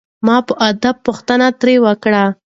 ما په ادب پوښتنه ترې وکړه.